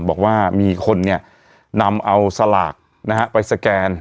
บอกว่ามีคนเนี่ยนำเอาสลากนะฮะไปสแกน